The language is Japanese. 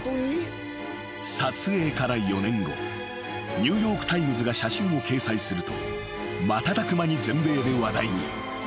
［ニューヨーク・タイムズが写真を掲載すると瞬く間に全米で話題に］